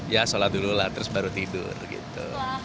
ya sholat dulu lah terus baru tidur gitu